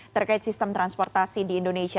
terkait sistem transportasi di indonesia